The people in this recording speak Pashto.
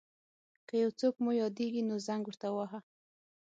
که یو څوک مو یاديږي نو زنګ ورته وواهه.